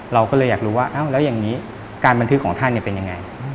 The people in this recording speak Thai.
เราก็เลยอยากรู้ว่าแล้วอย่างนี้การบันทึกของท่านเป็นยังไง